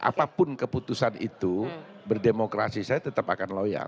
apapun keputusan itu berdemokrasi saya tetap akan loyal